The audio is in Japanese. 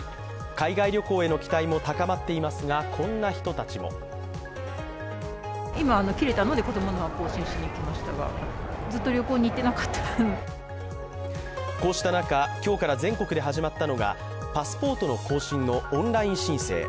海外旅行への期待も高まっていますが、こんな人たちもこうした中、今日から全国で始まったのがパスポートの更新のオンライン申請。